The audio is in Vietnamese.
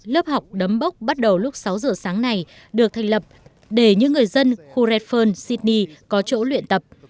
lớp học đấm bốc bắt đầu lúc sáu giờ sáng này được thành lập để những người dân khu rath sydney có chỗ luyện tập